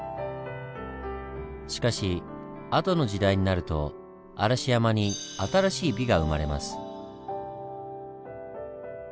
しかしあとの時代になると嵐山に新しい美が生まれます。